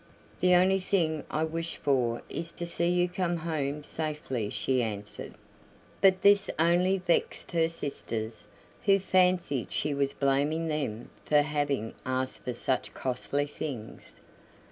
"The only thing I wish for is to see you come home safely," she answered. But this only vexed her sisters, who fancied she was blaming them for having asked for such costly things.